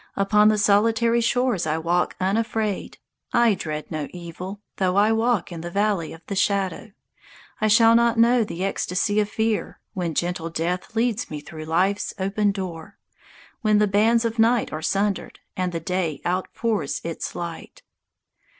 Upon thy solitary shores I walk unafraid; I dread no evil; though I walk in the valley of the shadow, I shall not know the ecstasy of fear When gentle Death leads me through life's open door, When the bands of night are sundered, And the day outpours its light.